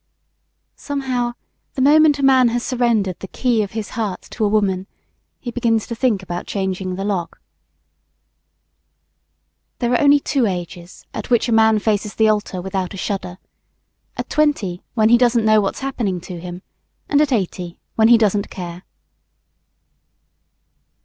Somehow, the moment a man has surrendered the key of his heart to a woman, he begins to think about changing the lock. There are only two ages, at which a man faces the altar without a shudder; at twenty when he doesn't know what's happening to him and at eighty when he doesn't care.